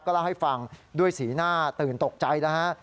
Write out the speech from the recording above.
เล่าให้ฟังด้วยสีหน้าตื่นตกใจแล้วฮะ